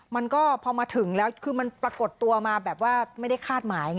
มันก็พอมาถึงแล้วคือมันปรากฏตัวมาแบบว่าไม่ได้คาดหมายไง